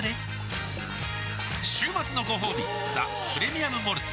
週末のごほうび「ザ・プレミアム・モルツ」